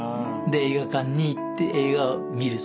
で映画館に行って映画を見る。